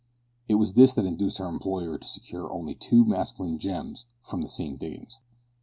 It was this that induced her employer to secure our two masculine gems from the same diggings.